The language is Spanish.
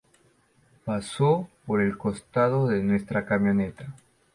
Pasó por el costado de nuestra camioneta.